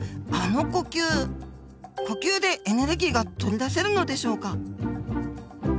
呼吸でエネルギーが取り出せるのでしょうか。